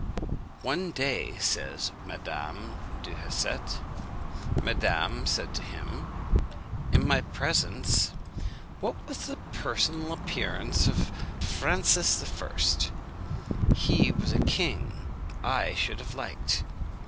"One day," says Madame du Hausset, "madame said to him, in my presence, 'What was the personal appearance of Francis I.? He was a king I should have liked.'